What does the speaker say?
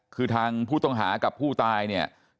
คือทางผู้ต้องหากับผู้ตายเนี่ย